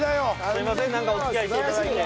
すいませんなんかお付き合いして頂いて。